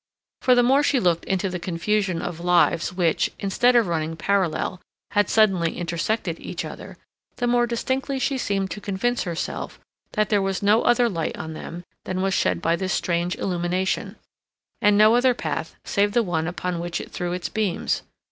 For the more she looked into the confusion of lives which, instead of running parallel, had suddenly intersected each other, the more distinctly she seemed to convince herself that there was no other light on them than was shed by this strange illumination, and no other path save the one upon which it threw its beams.